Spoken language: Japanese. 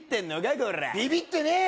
コラビビってねえよ